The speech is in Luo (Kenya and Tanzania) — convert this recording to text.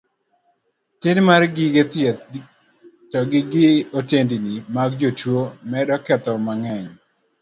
Tin mar gige thieth to gi otendni mag jotuo medo ketho mang'eny.